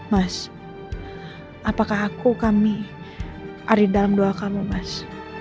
mas apakah aku kami ada di dalam doa kamu mas